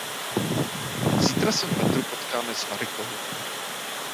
Zítra se v metru potkáme s Marikou.